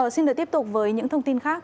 xin được tiếp tục với những thông tin khác